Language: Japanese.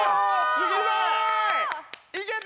すごい！